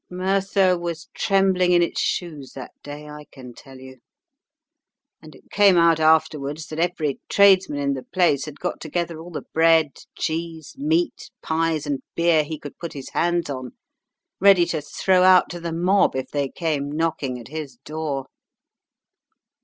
"Merthyr was trembling in its shoes that day, I can tell you; and it came out afterwards that every tradesman in the place had got together all the bread, cheese, meat, pies, and beer he could put his hands on, ready to throw out to the mob if they came knocking at his door.